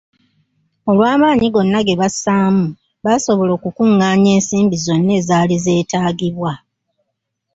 Olw'amaanyi gonna gebassaamu, baasobola okukungaanya ensimbi zonna ezaali zeetaagibwa.